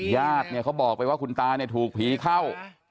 ญาติเขาบอกไปว่าคุณตาถูกผีเข้า